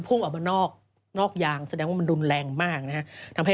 ซึ่งตอน๕โมง๔๕นะฮะทางหน่วยซิวได้มีการยุติการค้นหาที่